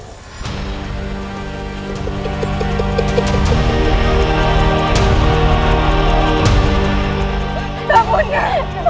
nanda prabu surrawi seja